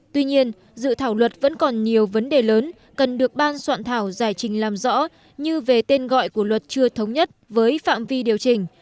tuy nhiên dự thảo luật vẫn còn nhiều vấn đề lớn cần được ban soạn thảo giải trình làm rõ như về tên gọi của luật chưa thống nhất với phạm vi điều chỉnh